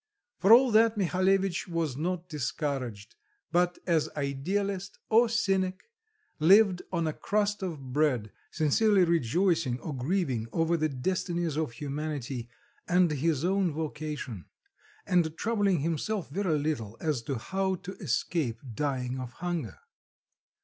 For all that Mihalevitch was not discouraged, but as idealist or cynic, lived on a crust of bread, sincerely rejoicing or grieving over the destinies of humanity, and his own vocation, and troubling himself very little as to how to escape dying of hunger.